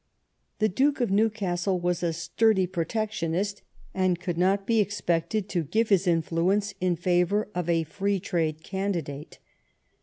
The Duke of New castle was a sturdy protectionist, and could not be expected to give his influence in favor of a free trade candidate.